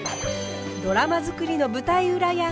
ドラマづくりの舞台裏や。